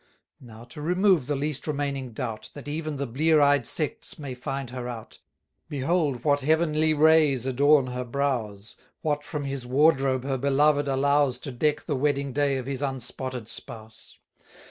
Now, to remove the least remaining doubt, That even the blear eyed sects may find her out, Behold what heavenly rays adorn her brows, What from his wardrobe her beloved allows To deck the wedding day of his unspotted spouse.